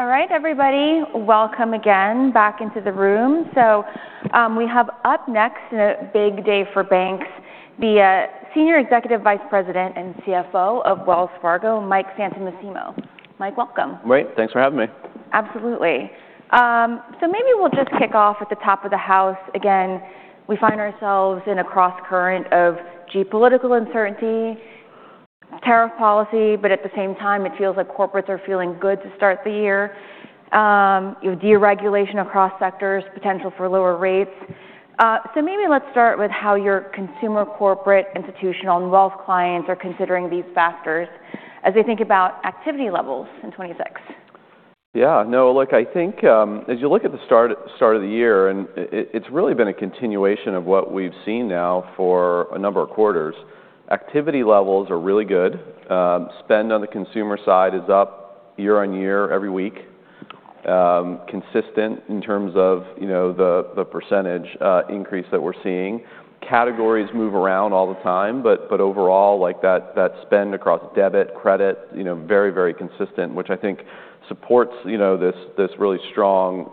All right, everybody, welcome again back into the room. So, we have up next, in a big day for banks, the Senior Executive Vice President and CFO of Wells Fargo, Mike Santomassimo. Mike, welcome. Great. Thanks for having me. Absolutely. So maybe we'll just kick off at the top of the house. Again, we find ourselves in a crosscurrent of geopolitical uncertainty, tariff policy, but at the same time, it feels like corporates are feeling good to start the year. You have deregulation across sectors, potential for lower rates. So maybe let's start with how your consumer, corporate, institutional, and wealth clients are considering these factors as they think about activity levels in 2026. Yeah. No, look, I think, as you look at the start of the year, and it's really been a continuation of what we've seen now for a number of quarters. Activity levels are really good. Spend on the consumer side is up year on year, every week, consistent in terms of, you know, the percentage increase that we're seeing. Categories move around all the time, but overall, like, that spend across debit, credit, you know, very, very consistent, which I think supports, you know, this really strong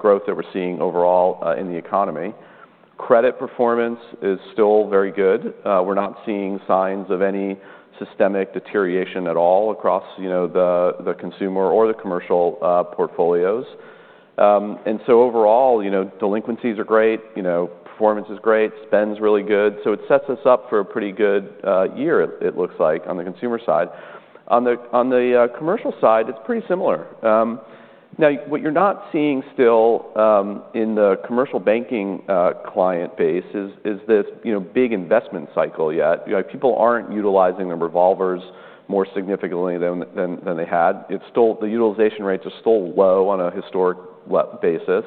growth that we're seeing overall in the economy. Credit performance is still very good. We're not seeing signs of any systemic deterioration at all across, you know, the consumer or the commercial portfolios. And so overall, you know, delinquencies are great, you know, performance is great, spend's really good, so it sets us up for a pretty good year, it looks like, on the consumer side. On the commercial side, it's pretty similar. Now what you're not seeing still in the commercial banking client base is this, you know, big investment cycle yet. You know, people aren't utilizing the revolvers more significantly than they had. It's still the utilization rates are still low on a historical basis.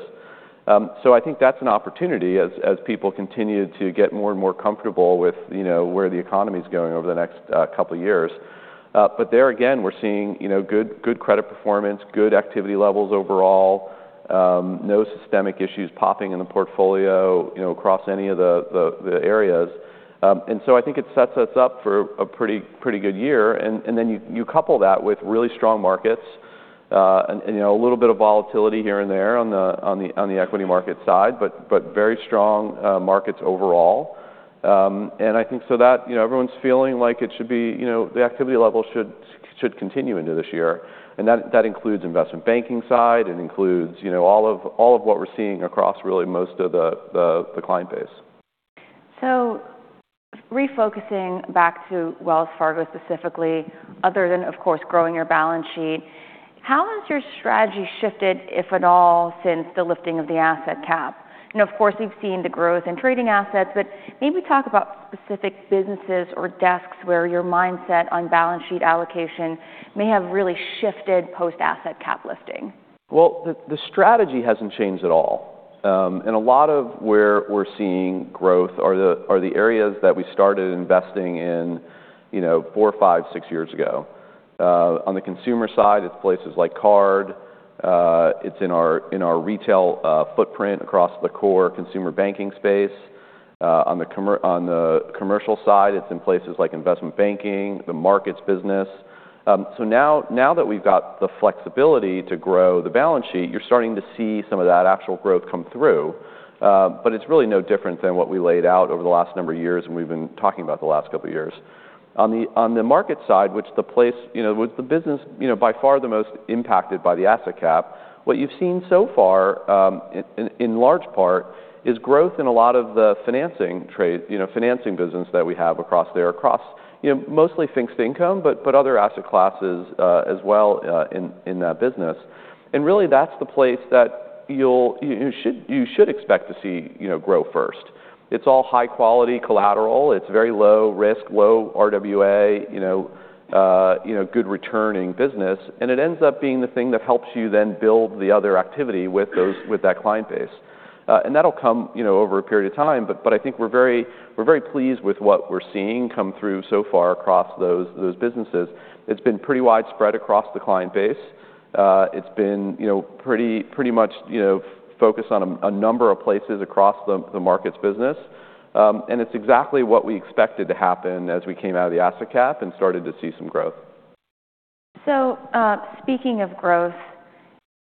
So I think that's an opportunity as people continue to get more and more comfortable with, you know, where the economy's going over the next couple years. But there again, we're seeing, you know, good, good credit performance, good activity levels overall, no systemic issues popping in the portfolio, you know, across any of the areas. And so I think it sets us up for a pretty, pretty good year. And then you couple that with really strong markets, and, you know, a little bit of volatility here and there on the equity market side, but very strong markets overall. And I think so that, you know, everyone's feeling like it should be— you know, the activity level should continue into this year, and that includes investment banking side, it includes, you know, all of what we're seeing across really most of the client base. Refocusing back to Wells Fargo specifically, other than, of course, growing your balance sheet, how has your strategy shifted, if at all, since the lifting of the asset cap? Of course, we've seen the growth in trading assets, but maybe talk about specific businesses or desks where your mindset on balance sheet allocation may have really shifted post-asset cap lifting. Well, the strategy hasn't changed at all. And a lot of where we're seeing growth are the areas that we started investing in, you know, four, five, six years ago. On the consumer side, it's places like card, it's in our retail footprint across the core consumer banking space. On the commercial side, it's in places like investment banking, the markets business. So now that we've got the flexibility to grow the balance sheet, you're starting to see some of that actual growth come through, but it's really no different than what we laid out over the last number of years, and we've been talking about the last couple of years. On the market side, which the place... You know, with the business, you know, by far the most impacted by the Asset Cap, what you've seen so far, in large part, is growth in a lot of the financing trade, you know, financing business that we have across there, across, you know, mostly fixed income, but other asset classes, as well, in that business. And really, that's the place that you should expect to see, you know, grow first. It's all high-quality collateral, it's very low risk, low RWA, you know, good returning business, and it ends up being the thing that helps you then build the other activity with that client base. That'll come, you know, over a period of time, but, but I think we're very, we're very pleased with what we're seeing come through so far across those, those businesses. It's been pretty widespread across the client base. It's been, you know, pretty, pretty much, you know, focused on a number of places across the markets business. And it's exactly what we expected to happen as we came out of the Asset Cap and started to see some growth. So, speaking of growth,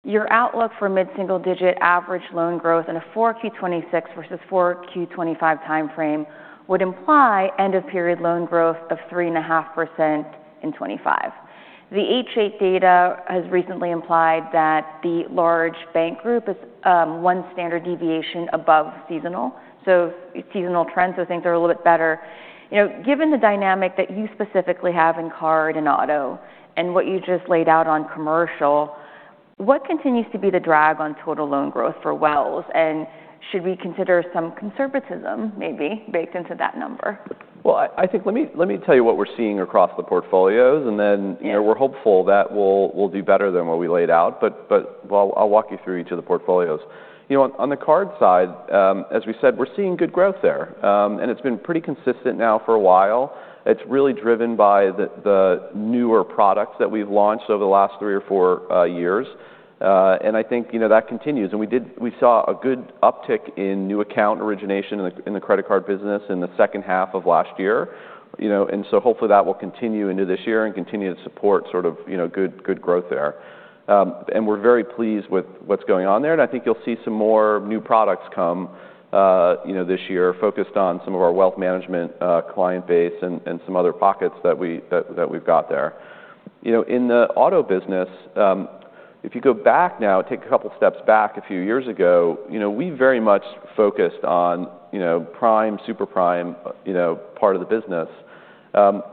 your outlook for mid-single-digit average loan growth in a 4Q 2026 versus 4Q 2025 timeframe would imply end-of-period loan growth of 3.5% in 2025. The H.8 data has recently implied that the large bank group is one standard deviation above seasonal, so seasonal trends, so things are a little bit better. You know, given the dynamic that you specifically have in card and auto and what you just laid out on commercial, what continues to be the drag on total loan growth for Wells? And should we consider some conservatism maybe baked into that number? Well, I think... Let me tell you what we're seeing across the portfolios, and then, Yes. You know, we're hopeful that we'll do better than what we laid out. Well, I'll walk you through each of the portfolios. You know, on the card side, as we said, we're seeing good growth there, and it's been pretty consistent now for a while. It's really driven by the newer products that we've launched over the last three or four years. And I think, you know, that continues. And we saw a good uptick in new account origination in the credit card business in the second half of last year, you know. And so hopefully, that will continue into this year and continue to support sort of, you know, good growth there. And we're very pleased with what's going on there, and I think you'll see some more new products come, you know, this year focused on some of our wealth management client base and, and some other pockets that we've got there. You know, in the auto business, if you go back now, take a couple steps back a few years ago, you know, we very much focused on, you know, prime, super prime, you know, part of the business.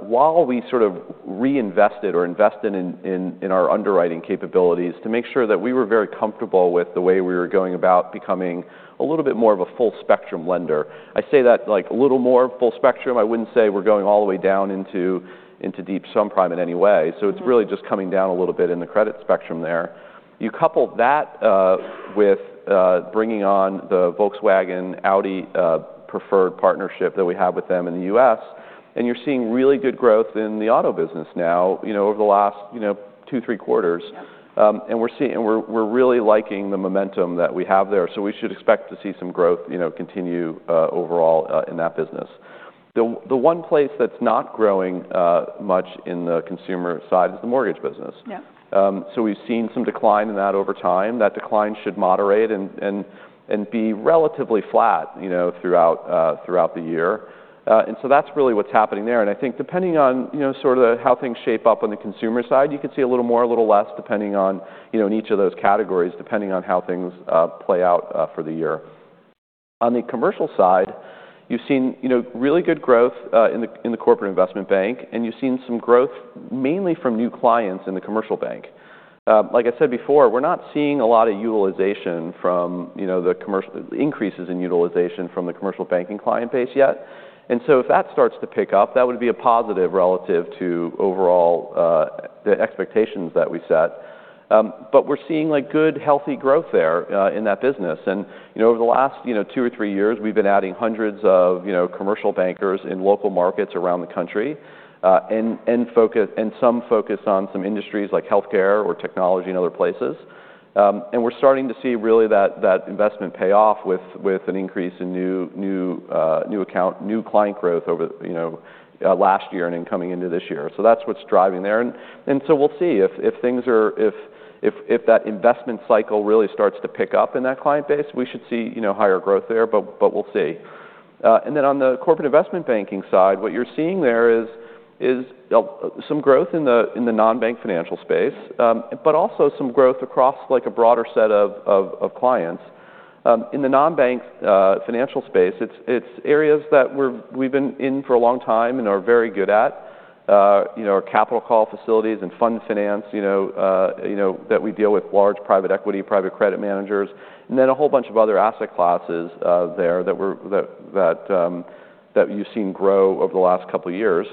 While we sort of reinvested or invested in our underwriting capabilities to make sure that we were very comfortable with the way we were going about becoming a little bit more of a full spectrum lender. I say that like a little more full spectrum. I wouldn't say we're going all the way down into deep subprime in any way. So it's really just coming down a little bit in the credit spectrum there. You couple that with bringing on the Volkswagen Audi preferred partnership that we have with them in the U.S., and you're seeing really good growth in the auto business now, you know, over the last, you know, two to three quarters. And we're really liking the momentum that we have there, so we should expect to see some growth, you know, continue overall in that business. The one place that's not growing much in the consumer side is the mortgage business. Yeah. So we've seen some decline in that over time. That decline should moderate and be relatively flat, you know, throughout the year. And so that's really what's happening there. And I think depending on, you know, sort of how things shape up on the consumer side, you could see a little more, a little less, depending on, you know, in each of those categories, depending on how things play out for the year. On the commercial side, you've seen, you know, really good growth in the corporate investment bank, and you've seen some growth mainly from new clients in the commercial bank. Like I said before, we're not seeing a lot of utilization from, you know, the commercial increases in utilization from the commercial banking client base yet. And so if that starts to pick up, that would be a positive relative to overall, the expectations that we set. But we're seeing like good, healthy growth there, in that business. And, you know, over the last, you know, two or three years, we've been adding hundreds of, you know, commercial bankers in local markets around the country, and some focus on some industries like healthcare or technology and other places. And we're starting to see really that investment pay off with an increase in new account, new client growth over, you know, last year and then coming into this year. So that's what's driving there. And so we'll see if things are. If that investment cycle really starts to pick up in that client base, we should see, you know, higher growth there, but we'll see. And then on the corporate investment banking side, what you're seeing there is some growth in the non-bank financial space, but also some growth across like a broader set of clients. In the non-bank financial space, it's areas that we've been in for a long time and are very good at. You know, our capital call facilities and fund finance, you know, that we deal with large private equity, private credit managers, and then a whole bunch of other asset classes there that you've seen grow over the last couple of years.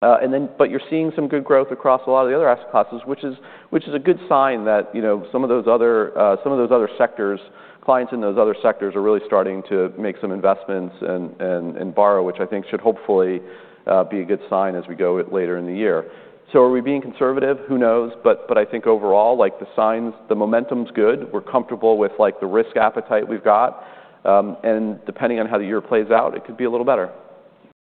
But you're seeing some good growth across a lot of the other asset classes, which is a good sign that, you know, some of those other sectors, clients in those other sectors are really starting to make some investments and borrow, which I think should hopefully be a good sign as we go later in the year. So are we being conservative? Who knows? But I think overall, like the signs, the momentum's good. We're comfortable with like the risk appetite we've got. And depending on how the year plays out, it could be a little better.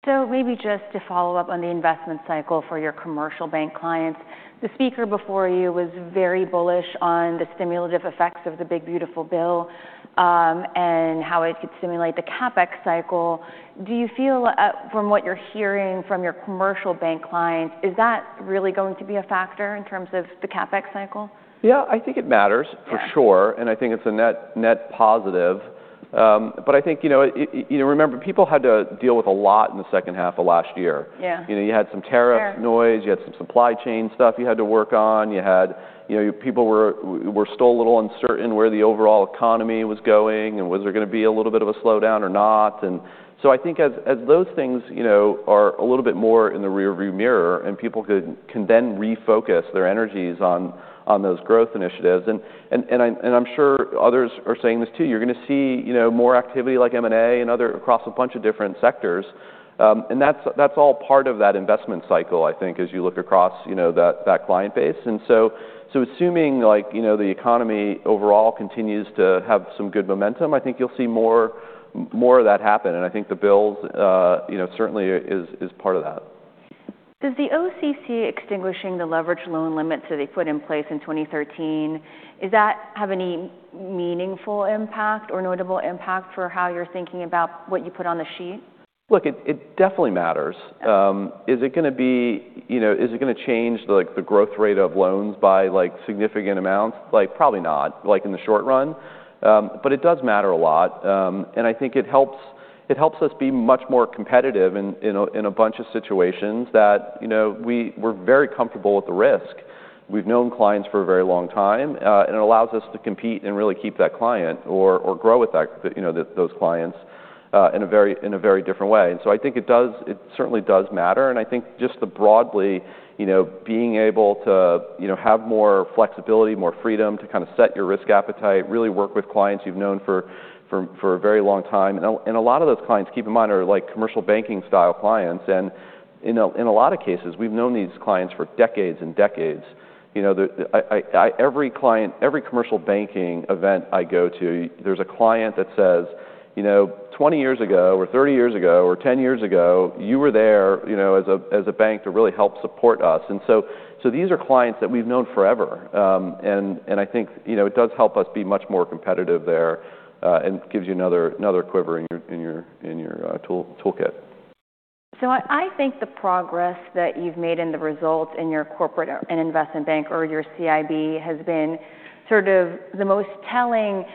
Maybe just to follow up on the investment cycle for your commercial bank clients, the speaker before you was very bullish on the stimulative effects of the Big Beautiful Bill, and how it could stimulate the CapEx cycle. Do you feel, from what you're hearing from your commercial bank clients, is that really going to be a factor in terms of the CapEx cycle? Yeah, I think it matters. Yeah. For sure, and I think it's a net-net positive. But I think, you know, you know, remember, people had to deal with a lot in the second half of last year. Yeah. You know, you had some tariff. Tariff. Noise, you had some supply chain stuff you had to work on, you had... You know, people were still a little uncertain where the overall economy was going, and was there gonna be a little bit of a slowdown or not? And so I think as those things, you know, are a little bit more in the rearview mirror, and people can then refocus their energies on those growth initiatives. And I'm sure others are saying this too, you're gonna see, you know, more activity like M&A and other across a bunch of different sectors. And that's all part of that investment cycle, I think, as you look across that client base. So, assuming like, you know, the economy overall continues to have some good momentum, I think you'll see more of that happen, and I think the bills, you know, certainly is part of that. Does the OCC extinguishing the leveraged loan limits that they put in place in 2013, does that have any meaningful impact or notable impact for how you're thinking about what you put on the sheet? Look, it definitely matters. Is it gonna be... You know, is it gonna change the, like, the growth rate of loans by, like, significant amounts? Like, probably not, like, in the short run. But it does matter a lot, and I think it helps, it helps us be much more competitive in, in a, in a bunch of situations that, you know, we're very comfortable with the risk. We've known clients for a very long time, and it allows us to compete and really keep that client or, or grow with that, you know, those clients, in a very, in a very different way. And so I think it does, it certainly does matter, and I think just broadly, you know, being able to, you know, have more flexibility, more freedom to kind of set your risk appetite, really work with clients you've known for a very long time. And a lot of those clients, keep in mind, are like commercial banking style clients, and, you know, in a lot of cases, we've known these clients for decades and decades. You know, every client, every commercial banking event I go to, there's a client that says, "You know, 20 years ago, or 30 years ago, or 10 years ago, you were there, you know, as a bank to really help support us." And so these are clients that we've known forever. And I think, you know, it does help us be much more competitive there, and gives you another quiver in your toolkit. So I think the progress that you've made in the results in your corporate and investment bank or your CIB has been sort of the most telling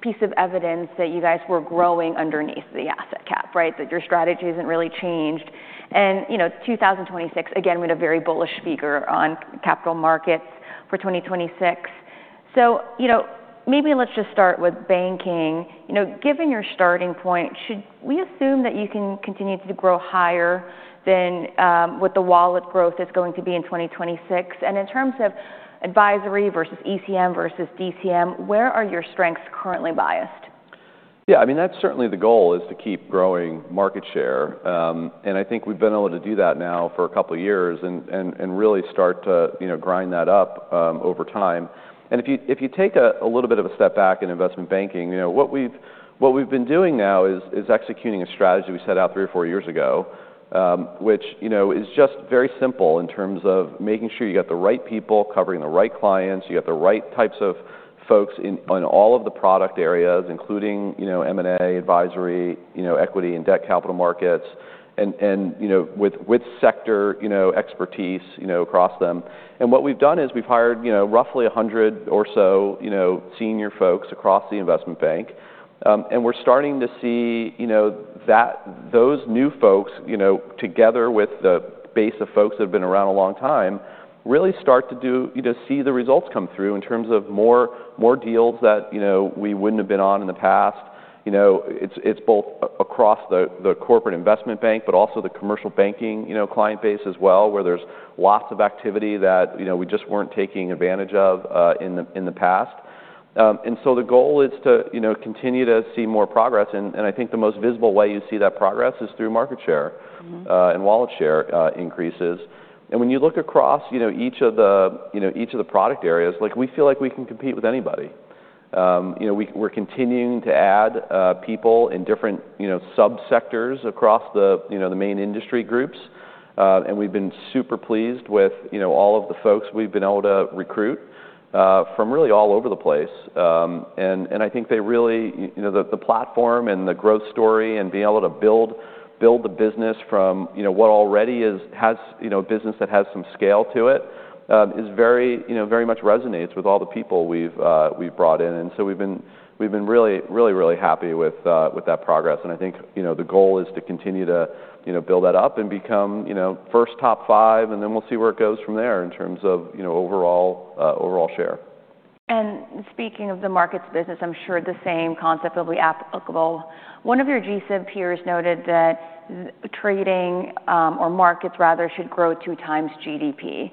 piece of evidence that you guys were growing underneath the Asset Cap, right? That your strategy hasn't really changed. You know, 2026, again, we had a very bullish figure on capital markets for 2026. You know, maybe let's just start with banking. You know, given your starting point, should we assume that you can continue to grow higher than what the wallet growth is going to be in 2026? And in terms of advisory versus ECM versus DCM, where are your strengths currently biased? Yeah, I mean, that's certainly the goal, is to keep growing market share. And I think we've been able to do that now for a couple of years and really start to, you know, grind that up over time. And if you take a little bit of a step back in investment banking, you know, what we've been doing now is executing a strategy we set out three or four years ago, which, you know, is just very simple in terms of making sure you got the right people covering the right clients, you got the right types of folks in on all of the product areas, including, you know, M&A, advisory, you know, equity and debt capital markets, and, you know, with sector expertise, you know, across them. What we've done is we've hired, you know, roughly 100 or so, you know, senior folks across the investment bank. We're starting to see, you know, that those new folks, you know, together with the base of folks that have been around a long time, really start to do... You just see the results come through in terms of more, more deals that, you know, we wouldn't have been on in the past. You know, it's both across the corporate investment bank, but also the commercial banking, you know, client base as well, where there's lots of activity that, you know, we just weren't taking advantage of, in the past. And so the goal is to, you know, continue to see more progress, and I think the most visible way you see that progress is through market share. Mm-hmm. And wallet share increases. And when you look across, you know, each of the, you know, each of the product areas, like, we feel like we can compete with anybody. You know, we, we're continuing to add people in different, you know, subsectors across the, you know, the main industry groups. And we've been super pleased with, you know, all of the folks we've been able to recruit from really all over the place. And, and I think they really, you know, the, the platform and the growth story and being able to build, build the business from, you know, what already is, has, you know, business that has some scale to it, is very, you know, very much resonates with all the people we've, we've brought in. And so we've been really, really, really happy with that progress, and I think, you know, the goal is to continue to, you know, build that up and become, you know, first top five, and then we'll see where it goes from there in terms of, you know, overall share. Speaking of the markets business, I'm sure the same concept will be applicable. One of your GSIB peers noted that the trading, or markets rather, should grow 2x GDP.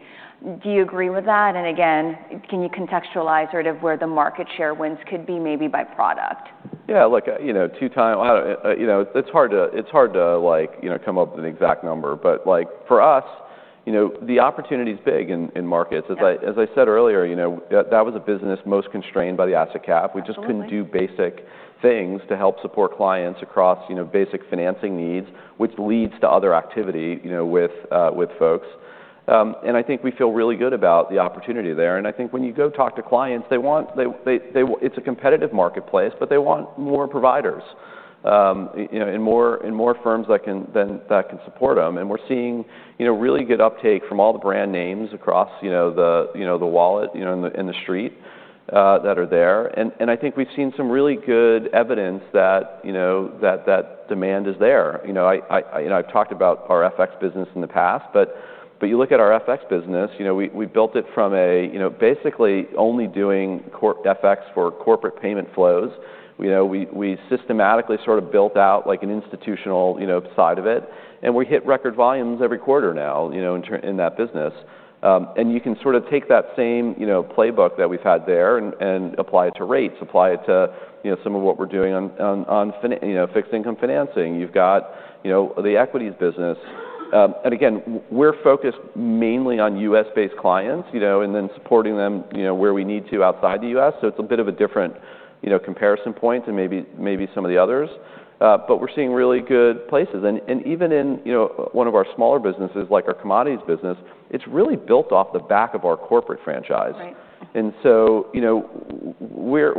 Do you agree with that? And again, can you contextualize sort of where the market share wins could be, maybe by product? Yeah, look, you know, it's hard to, it's hard to like, you know, come up with an exact number, but, like, for us, you know, the opportunity is big in, in markets. Yeah. As I said earlier, you know, that was a business most constrained by the Asset Cap. Absolutely. We just couldn't do basic things to help support clients across, you know, basic financing needs, which leads to other activity, you know, with folks. And I think we feel really good about the opportunity there. And I think when you go talk to clients, they want—they, they, they... It's a competitive marketplace, but they want more providers, you know, and more, and more firms that can, then, that can support them. And we're seeing, you know, really good uptake from all the brand names across, you know, the, you know, the wallet, you know, in the, in the street that are there. And I think we've seen some really good evidence that, you know, that, that demand is there. You know, I've talked about our FX business in the past, but you look at our FX business, you know, we built it from a, you know, basically only doing corp FX for corporate payment flows. You know, we systematically sort of built out, like, an institutional, you know, side of it, and we hit record volumes every quarter now, you know, in that business. And you can sort of take that same, you know, playbook that we've had there and apply it to rates, apply it to, you know, some of what we're doing on fixed income financing. You've got, you know, the equities business. And again, we're focused mainly on U.S.-based clients, you know, and then supporting them, you know, where we need to outside the U.S. It's a bit of a different, you know, comparison point to maybe, maybe some of the others. But we're seeing really good places. And even in, you know, one of our smaller businesses, like our commodities business, it's really built off the back of our corporate franchise. Right. And so, you know, we're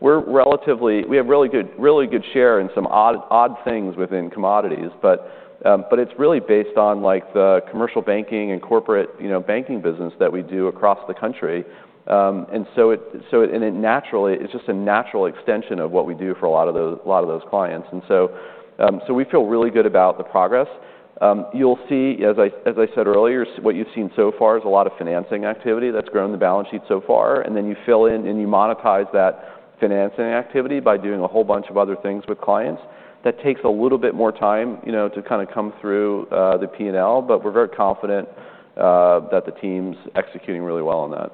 relatively—we have really good, really good share in some odd, odd things within commodities, but it's really based on, like, the commercial banking and corporate, you know, banking business that we do across the country. And so it naturally, it's just a natural extension of what we do for a lot of those, a lot of those clients. And so we feel really good about the progress. You'll see, as I said earlier, what you've seen so far is a lot of financing activity that's grown the balance sheet so far, and then you fill in, and you monetize that financing activity by doing a whole bunch of other things with clients. That takes a little bit more time, you know, to kind of come through the P&L, but we're very confident that the team's executing really well on that.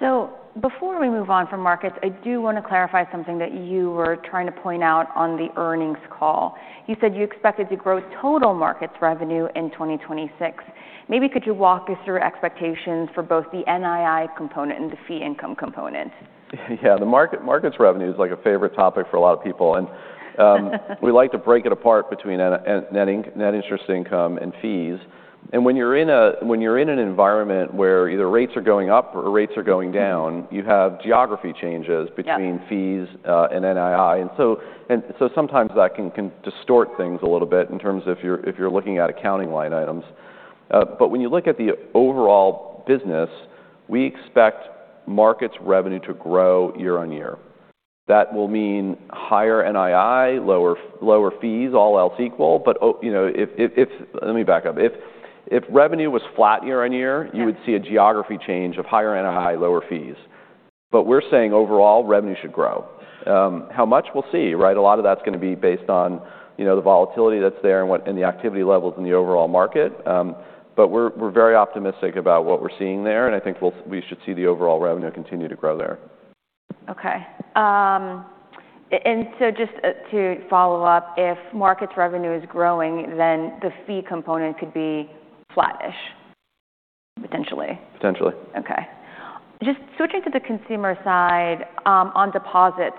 So before we move on from markets, I do want to clarify something that you were trying to point out on the earnings call. You said you expected to grow total markets revenue in 2026. Maybe could you walk us through expectations for both the NII component and the fee income component? Yeah, the markets revenue is like a favorite topic for a lot of people, and we like to break it apart between net interest income and fees. And when you're in an environment where either rates are going up or rates are going down, you have geography changes. Yeah. Between fees and NII. And so, and so sometimes that can, can distort things a little bit in terms of if you're, if you're looking at accounting line items. But when you look at the overall business, we expect markets revenue to grow year-over-year. That will mean higher NII, lower, lower fees, all else equal. But, oh, you know, if... Let me back up. If revenue was flat year-over-year. Yeah. You would see a geography change of higher NII, lower fees. But we're saying overall revenue should grow. How much? We'll see, right? A lot of that's going to be based on, you know, the volatility that's there and the activity levels in the overall market. But we're very optimistic about what we're seeing there, and I think we should see the overall revenue continue to grow there. Okay. And so just to follow up, if markets revenue is growing, then the fee component could be flattish, potentially? Potentially. Okay. Just switching to the consumer side, on deposits,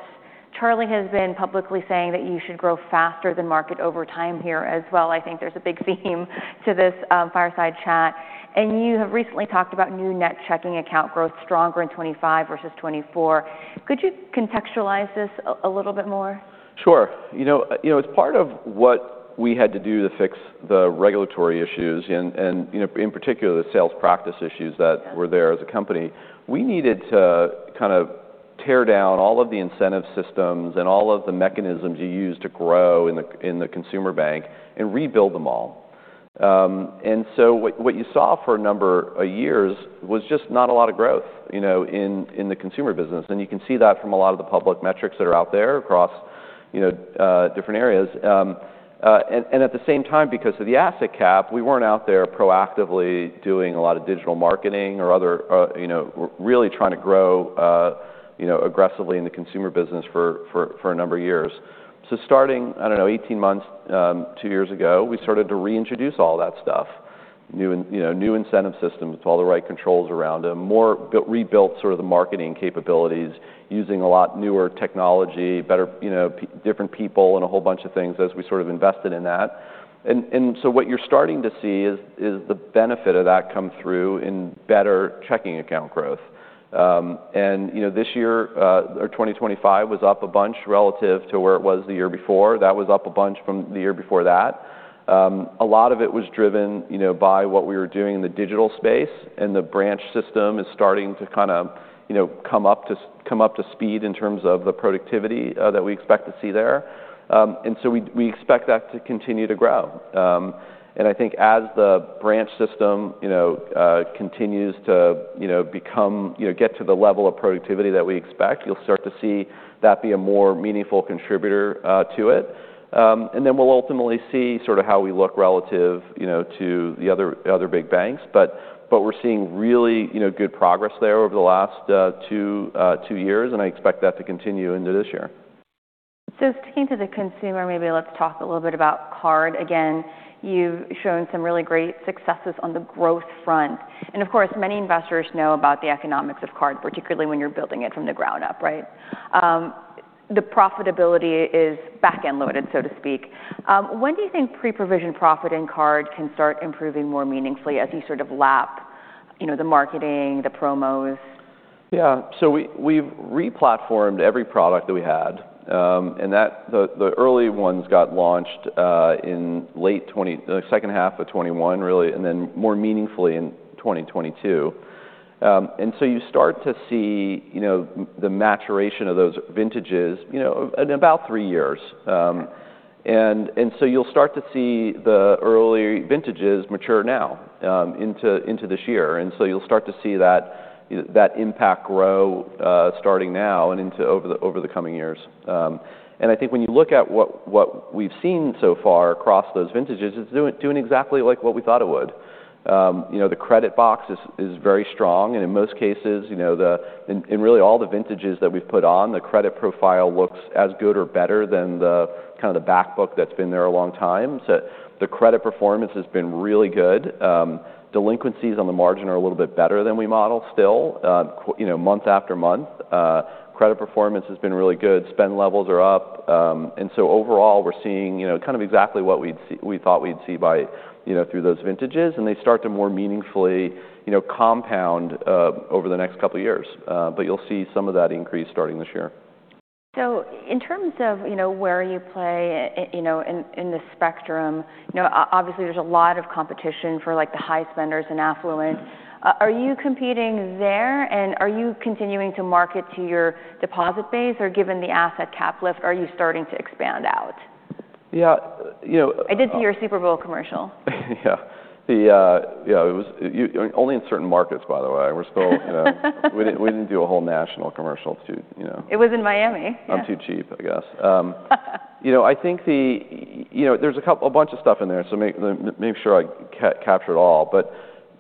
Charlie has been publicly saying that you should grow faster than market over time here as well. I think there's a big theme to this fireside chat. You have recently talked about new net checking account growth stronger in 2025 versus 2024. Could you contextualize this a little bit more? Sure. You know, as part of what we had to do to fix the regulatory issues and, you know, in particular, the sales practice issues that. Yeah. Were there as a company, we needed to kind of tear down all of the incentive systems and all of the mechanisms you use to grow in the, in the consumer bank and rebuild them all. And so what, what you saw for a number of years was just not a lot of growth, you know, in, in the consumer business. And you can see that from a lot of the public metrics that are out there across, you know, different areas. And, and at the same time, because of the Asset Cap, we weren't out there proactively doing a lot of digital marketing or other, you know, really trying to grow, you know, aggressively in the consumer business for, for, for a number of years. So starting, I don't know, 18 months, two years ago, we started to reintroduce all that stuff. Now, you know, new incentive systems with all the right controls around them, more rebuilt sort of the marketing capabilities, using a lot newer technology, better, you know, different people, and a whole bunch of things as we sort of invested in that. And so what you're starting to see is the benefit of that come through in better checking account growth. And, you know, this year or 2025 was up a bunch relative to where it was the year before. That was up a bunch from the year before that. A lot of it was driven, you know, by what we were doing in the digital space, and the branch system is starting to kind of, you know, come up to speed in terms of the productivity that we expect to see there. And so we expect that to continue to grow. And I think as the branch system, you know, continues to, you know, become, you know, get to the level of productivity that we expect, you'll start to see that be a more meaningful contributor to it. And then we'll ultimately see sort of how we look relative, you know, to the other big banks. But we're seeing really, you know, good progress there over the last two years, and I expect that to continue into this year. So sticking to the consumer, maybe let's talk a little bit about card. Again, you've shown some really great successes on the growth front, and of course, many investors know about the economics of card, particularly when you're building it from the ground up, right? The profitability is back-end loaded, so to speak. When do you think pre-provision profit in card can start improving more meaningfully as you sort of lap, you know, the marketing, the promos? Yeah. So we've replatformed every product that we had, and the early ones got launched in the second half of 2021, really, and then more meaningfully in 2022. So you start to see, you know, the maturation of those vintages, you know, in about three years. So you'll start to see the early vintages mature now into this year. And so you'll start to see that impact grow starting now and into the coming years. And I think when you look at what we've seen so far across those vintages, it's doing exactly like what we thought it would. You know, the credit box is very strong, and in most cases, you know, the... In really all the vintages that we've put on, the credit profile looks as good or better than the kind of the backbook that's been there a long time. So the credit performance has been really good. Delinquencies on the margin are a little bit better than we model still. You know, month after month, credit performance has been really good. Spend levels are up. And so overall, we're seeing, you know, kind of exactly what we'd see- we thought we'd see by, you know, through those vintages, and they start to more meaningfully, you know, compound over the next couple of years. But you'll see some of that increase starting this year. So in terms of, you know, where you play, you know, in the spectrum, you know, obviously there's a lot of competition for, like, the high spenders and affluent. Yeah. Are you competing there, and are you continuing to market to your deposit base, or given the Asset Cap lift, are you starting to expand out? Yeah, you know. I did see your Super Bowl commercial. Yeah. The... Yeah, it was you- only in certain markets, by the way. We're still, you know- We didn't, we didn't do a whole national commercial to, you know. It was in Miami. I'm too cheap, I guess. You know, I think the, you know, there's a couple, a bunch of stuff in there, so let me make sure I can capture it all. But,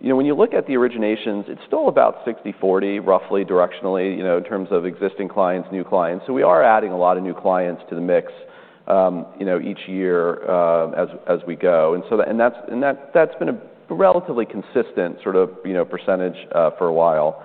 you know, when you look at the originations, it's still about 60/40, roughly directionally, you know, in terms of existing clients, new clients. So we are adding a lot of new clients to the mix, you know, each year, as we go. And so that's been a relatively consistent sort of, you know, percentage, for a while.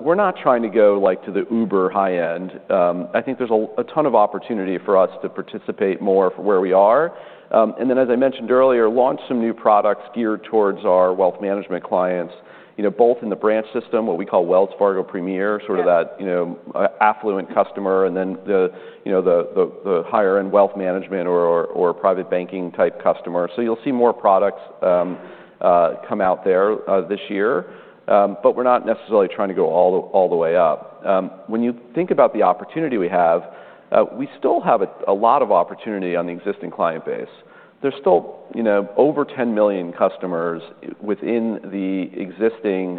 We're not trying to go, like, to the uber high end. I think there's a ton of opportunity for us to participate more from where we are. And then, as I mentioned earlier, launch some new products geared towards our wealth management clients, you know, both in the branch system, what we call Wells Fargo Premier. Yeah. Sort of that, you know, affluent customer, and then the, you know, the higher end wealth management or private banking type customer. So you'll see more products come out there this year. But we're not necessarily trying to go all the way up. When you think about the opportunity we have, we still have a lot of opportunity on the existing client base. There's still, you know, over 10 million customers within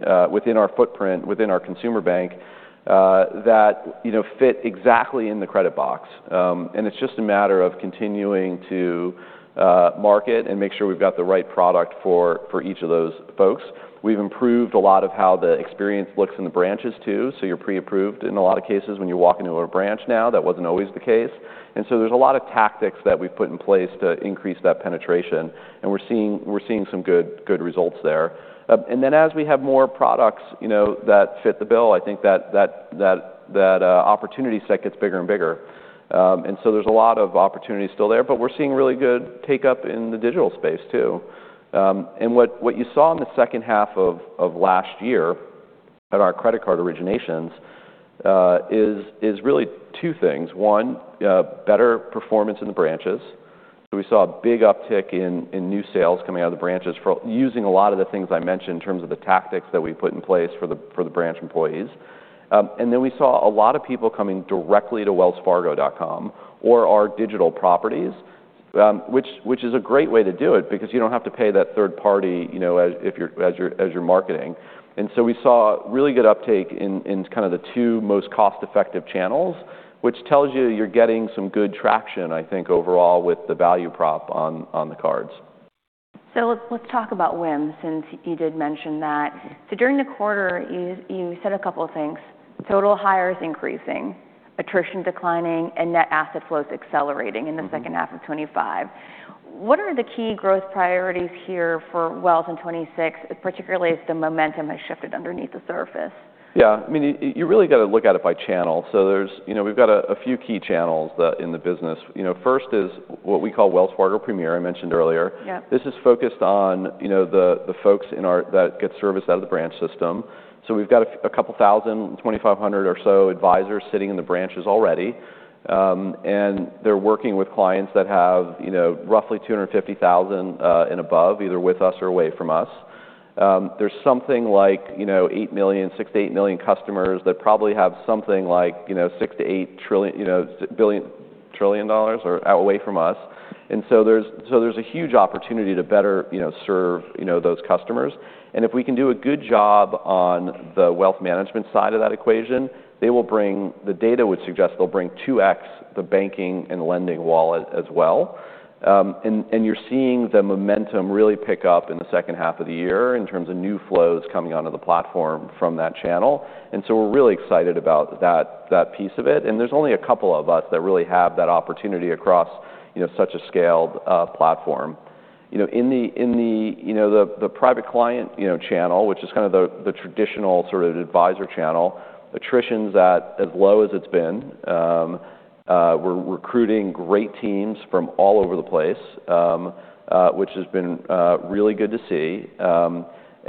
our footprint, within our consumer bank, that, you know, fit exactly in the credit box. And it's just a matter of continuing to market and make sure we've got the right product for each of those folks. We've improved a lot of how the experience looks in the branches, too, so you're pre-approved in a lot of cases when you walk into a branch now. That wasn't always the case. And so there's a lot of tactics that we've put in place to increase that penetration, and we're seeing some good results there. And then as we have more products, you know, that fit the bill, I think that opportunity set gets bigger and bigger. And so there's a lot of opportunity still there, but we're seeing really good take up in the digital space, too. And what you saw in the second half of last year at our credit card originations is really two things. One, better performance in the branches. So we saw a big uptick in new sales coming out of the branches for using a lot of the things I mentioned in terms of the tactics that we've put in place for the branch employees. And then we saw a lot of people coming directly to wellsfargo.com or our digital properties, which is a great way to do it because you don't have to pay that third party, you know, as you're marketing. And so we saw really good uptake in kind of the two most cost-effective channels, which tells you you're getting some good traction, I think, overall, with the value prop on the cards. So let's talk about WIM, since you did mention that. So during the quarter, you said a couple of things: total hires increasing, attrition declining, and net asset flows accelerating. Mm-hmm. In the second half of 2025. What are the key growth priorities here for Wells in 2026, particularly as the momentum has shifted underneath the surface? Yeah, I mean, you, you really got to look at it by channel. So there's... You know, we've got a, a few key channels that in the business. You know, first is what we call Wells Fargo Premier, I mentioned earlier. Yeah. This is focused on, you know, the folks in our that get serviced out of the branch system. So we've got a couple thousand, 2,500 or so advisors sitting in the branches already. And they're working with clients that have, you know, roughly $250,000 and above, either with us or away from us. There's something like, you know, eight million, six to eightmillion customers that probably have something like, you know, $6-$8 trillion, you know, billion, trillion dollars or away from us. And so there's, so there's a huge opportunity to better, you know, serve, you know, those customers. And if we can do a good job on the wealth management side of that equation, they will bring the data would suggest they'll bring 2x the banking and lending wallet as well. And you're seeing the momentum really pick up in the second half of the year in terms of new flows coming onto the platform from that channel. And so we're really excited about that, that piece of it, and there's only a couple of us that really have that opportunity across, you know, such a scaled platform. You know, in the, you know, the private client, you know, channel, which is kind of the traditional sort of advisor channel, attrition's at as low as it's been. We're recruiting great teams from all over the place, which has been really good to see.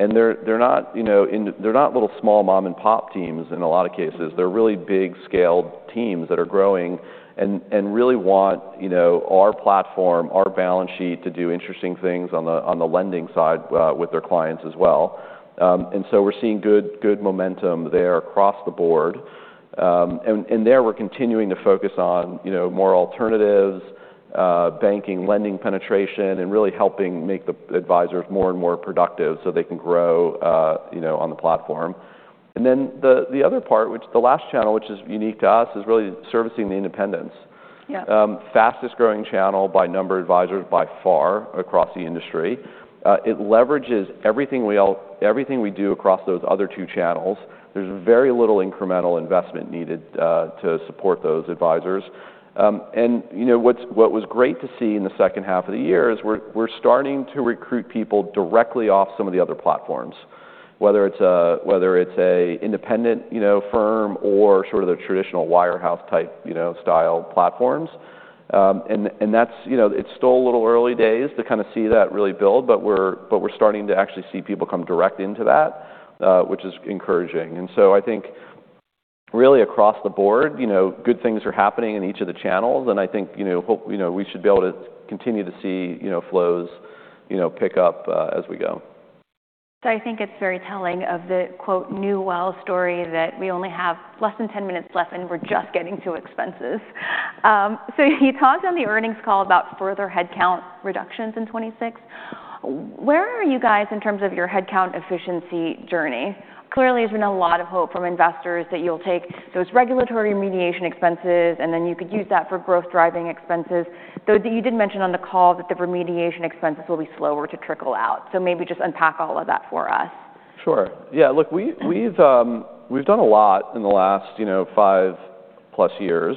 And they're, they're not, you know, in the, they're not little small mom-and-pop teams in a lot of cases. They're really big-scaled teams that are growing and really want, you know, our platform, our balance sheet to do interesting things on the lending side with their clients as well. And so we're seeing good momentum there across the board. And there, we're continuing to focus on, you know, more alternatives, banking, lending penetration, and really helping make the advisors more and more productive so they can grow, you know, on the platform. And then the other part, which the last channel, which is unique to us, is really servicing the independents. Yeah. Fastest-growing channel by number of advisors, by far, across the industry. It leverages everything we do across those other two channels. There's very little incremental investment needed to support those advisors. And you know, what was great to see in the second half of the year is we're starting to recruit people directly off some of the other platforms, whether it's an independent, you know, firm or sort of the traditional wirehouse type, you know, style platforms. And that's, you know, it's still a little early days to kind of see that really build, but we're starting to actually see people come direct into that, which is encouraging. And so I think really across the board, you know, good things are happening in each of the channels, and I think, you know, we should be able to continue to see, you know, flows, you know, pick up as we go. So I think it's very telling of the, quote, "new Wells story" that we only have less than 10 minutes left, and we're just getting to expenses. So you talked on the earnings call about further headcount reductions in 2026. Where are you guys in terms of your headcount efficiency journey? Clearly, there's been a lot of hope from investors that you'll take those regulatory remediation expenses, and then you could use that for growth-driving expenses, though you did mention on the call that the remediation expenses will be slower to trickle out. So maybe just unpack all of that for us. Sure. Yeah, look, we've done a lot in the last, you know, five plus years.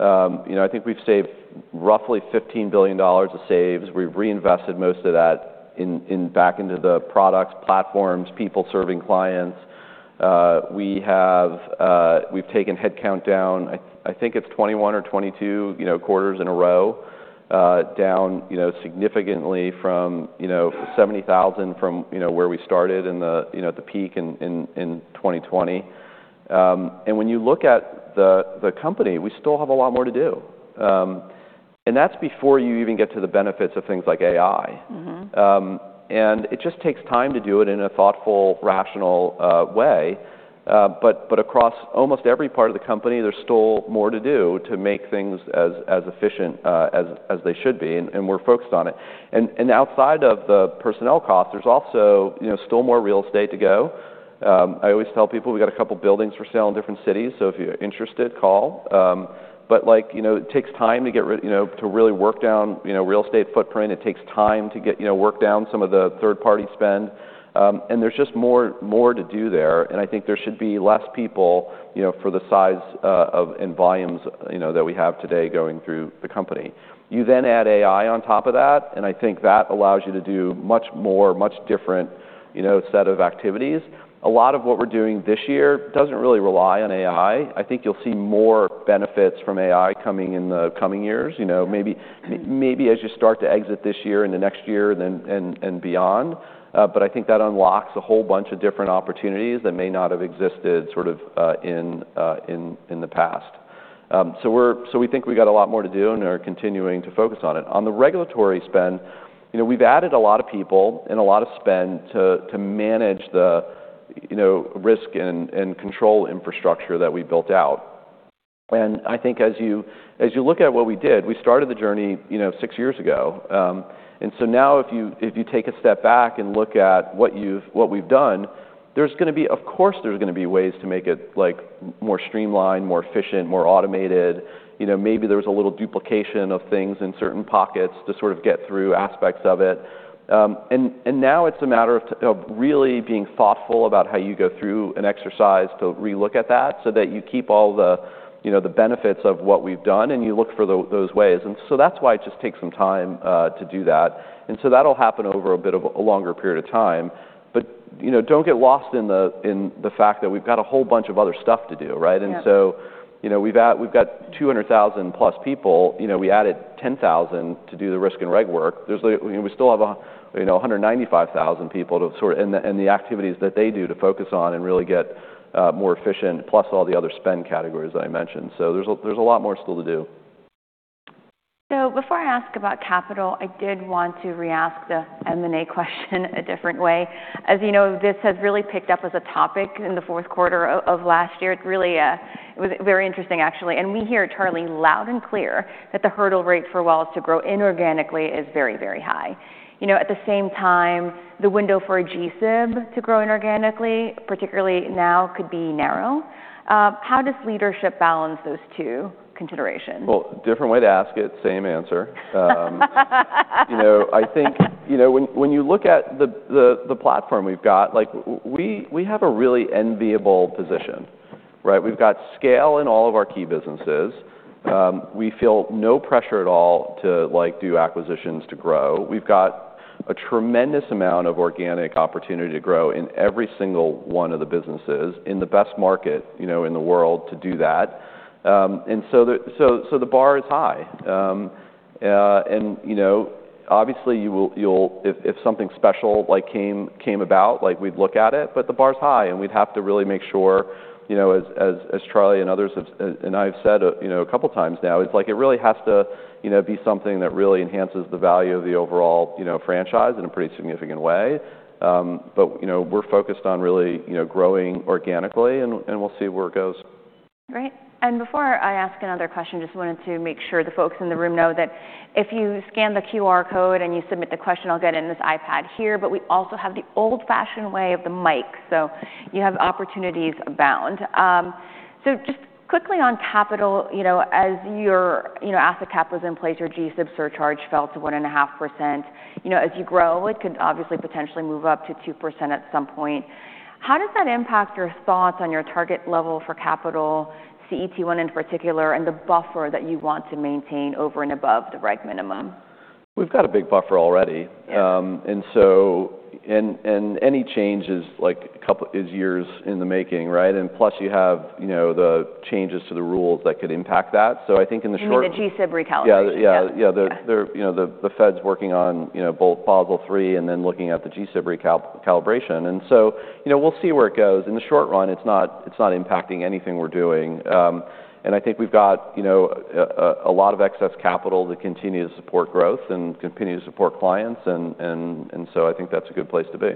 You know, I think we've saved roughly $15 billion of saves. We've reinvested most of that back into the products, platforms, people serving clients. We have, we've taken headcount down, I think it's 21 or 22, you know, quarters in a row, down, you know, significantly from, you know, 70,000 from, you know, where we started in the, you know, the peak in 2020. And when you look at the company, we still have a lot more to do. And that's before you even get to the benefits of things like AI. Mm-hmm. It just takes time to do it in a thoughtful, rational way. But across almost every part of the company, there's still more to do to make things as efficient as they should be, and we're focused on it. And outside of the personnel costs, there's also, you know, still more real estate to go. I always tell people we've got a couple buildings for sale in different cities, so if you're interested, call. But, like, you know, it takes time, you know, to really work down, you know, real estate footprint. It takes time, you know, to work down some of the third-party spend. And there's just more, more to do there, and I think there should be less people, you know, for the size of and volumes, you know, that we have today going through the company. You then add AI on top of that, and I think that allows you to do much more, much different, you know, set of activities. A lot of what we're doing this year doesn't really rely on AI. I think you'll see more benefits from AI coming in the coming years, you know, maybe, maybe as you start to exit this year, in the next year, and then, and, and beyond. But I think that unlocks a whole bunch of different opportunities that may not have existed sort of, in, in, in the past. So we think we've got a lot more to do and are continuing to focus on it. On the regulatory spend, you know, we've added a lot of people and a lot of spend to manage the, you know, risk and control infrastructure that we built out. And I think as you look at what we did, we started the journey, you know, six years ago. So now, if you take a step back and look at what we've done, there's gonna be... Of course, there's gonna be ways to make it, like, more streamlined, more efficient, more automated. You know, maybe there was a little duplication of things in certain pockets to sort of get through aspects of it. Now it's a matter of really being thoughtful about how you go through an exercise to relook at that so that you keep all the, you know, the benefits of what we've done, and you look for those ways. So that's why it just takes some time to do that, and so that'll happen over a bit of a longer period of time. You know, don't get lost in the fact that we've got a whole bunch of other stuff to do, right? Yeah. So, you know, we've got, we've got 200,000+ people. You know, we added 10,000 to do the risk and reg work. There's, you know, we still have a, you know, 195,000 people to sort and the, and the activities that they do to focus on and really get more efficient, plus all the other spend categories that I mentioned. So there's a, there's a lot more still to do. So before I ask about capital, I did want to re-ask the M&A question a different way. As you know, this has really picked up as a topic in the fourth quarter of last year. It's really, it was very interesting, actually, and we hear Charlie loud and clear that the hurdle rate for Wells to grow inorganically is very, very high. You know, at the same time, the window for a GSIB to grow inorganically, particularly now, could be narrow. How does leadership balance those two considerations? Well, different way to ask it, same answer. You know, I think, you know, when you look at the platform we've got, like we have a really enviable position, right? We've got scale in all of our key businesses. We feel no pressure at all to, like, do acquisitions to grow. We've got a tremendous amount of organic opportunity to grow in every single one of the businesses in the best market, you know, in the world to do that. And so the bar is high. And you know, obviously, you will, you'll. If something special like came about, like, we'd look at it, but the bar is high, and we'd have to really make sure, you know, as Charlie and others have, and I've said, you know, a couple times now, it's like it really has to, you know, be something that really enhances the value of the overall, you know, franchise in a pretty significant way. But, you know, we're focused on really, you know, growing organically, and we'll see where it goes. Great. And before I ask another question, just wanted to make sure the folks in the room know that if you scan the QR code and you submit the question, I'll get it in this iPad here, but we also have the old-fashioned way of the mic, so you have opportunities abound. So just quickly on capital, you know, as your, you know, Asset Cap was in place, your GSIB surcharge fell to 1.5%. You know, as you grow, it could obviously potentially move up to 2% at some point. How does that impact your thoughts on your target level for capital, CET1 in particular, and the buffer that you want to maintain over and above the reg minimum? We've got a big buffer already. Yeah. And so any changes, like a couple of years in the making, right? And plus, you have, you know, the changes to the rules that could impact that. So I think in the short. You mean the GSIB recalibration? Yeah, yeah, yeah. Yeah. There, you know, the Fed's working on, you know, both Basel III and then looking at the GSIB recalibration, and so, you know, we'll see where it goes. In the short run, it's not, it's not impacting anything we're doing. I think we've got, you know, a lot of excess capital to continue to support growth and continue to support clients, and so I think that's a good place to be.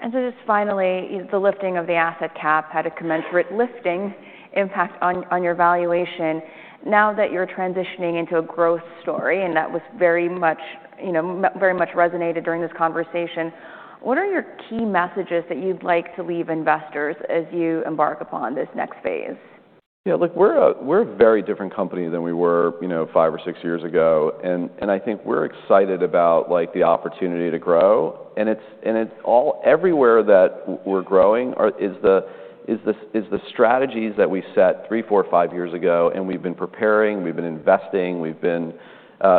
And so just finally, the lifting of the Asset Cap had a commensurate lifting impact on your valuation. Now that you're transitioning into a growth story, and that was very much, you know, very much resonated during this conversation, what are your key messages that you'd like to leave investors as you embark upon this next phase? Yeah, look, we're a very different company than we were, you know, five or six years ago, and I think we're excited about, like, the opportunity to grow, and it's everywhere that we're growing is the strategies that we set three, four, five years ago, and we've been preparing, we've been investing, we've been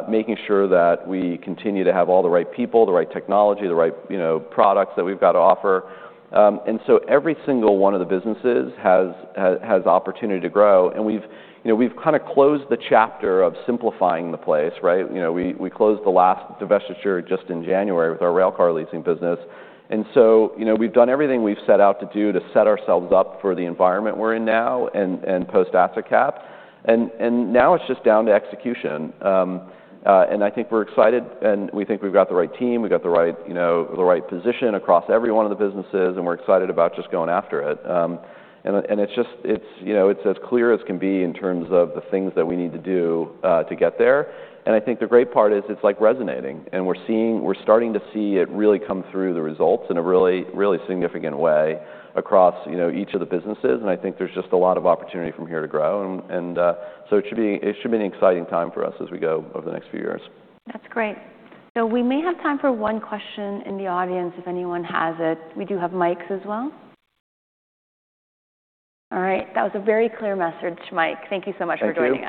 making sure that we continue to have all the right people, the right technology, the right, you know, products that we've got to offer. And so every single one of the businesses has opportunity to grow, and we've, you know, we've kind of closed the chapter of simplifying the place, right? You know, we closed the last divestiture just in January with our railcar leasing business. And so, you know, we've done everything we've set out to do to set ourselves up for the environment we're in now and post-Asset Cap, and now it's just down to execution. And I think we're excited, and we think we've got the right team, we've got the right, you know, the right position across every one of the businesses, and we're excited about just going after it. And it's just—it's, you know, it's as clear as can be in terms of the things that we need to do to get there. And I think the great part is it's, like, resonating, and we're seeing—we're starting to see it really come through the results in a really, really significant way across, you know, each of the businesses. And I think there's just a lot of opportunity from here to grow. So it should be an exciting time for us as we go over the next few years. That's great. So we may have time for one question in the audience, if anyone has it. We do have mics as well. All right. That was a very clear message, Mike. Thank you so much for joining us.